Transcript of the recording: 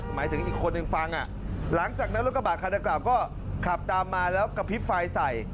หมายถึงอีกคนนึงฟังหลังจากนั้นรถกระบะคันดังกล่าวก็ขับตามมาแล้วกระพริบไฟใส่